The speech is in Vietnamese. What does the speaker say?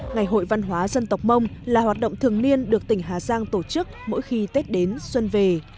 ngày hội văn hóa dân tộc mông là hoạt động thường niên được tỉnh hà giang tổ chức mỗi khi tết đến xuân về